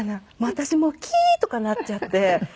私もうキーッ！とかなっちゃって。